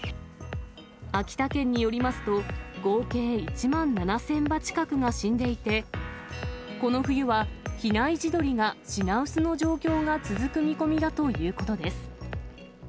秋田県によりますと、合計１万７０００羽近くが死んでいて、この冬は比内地鶏が品薄の状況が続く見込みだということです。